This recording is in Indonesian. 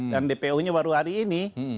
dan dpo nya baru hari ini